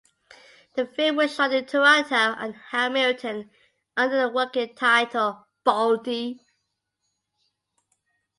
The film was shot in Toronto and Hamilton under the working title "Baldy".